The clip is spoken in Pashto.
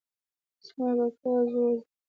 زما کاکا زوړ ده